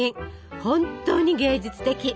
本当に芸術的！